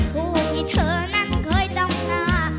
ผู้ที่เธอนั้นเคยจ้องหน้า